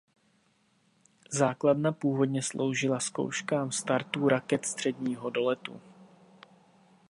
Základna původně sloužila zkouškám startů raket středního doletu.